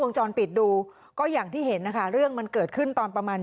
วงจรปิดดูก็อย่างที่เห็นนะคะเรื่องมันเกิดขึ้นตอนประมาณ